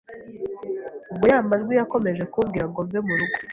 Ubwo ya majwi yakomeje kumbwira ngo mve mu rugo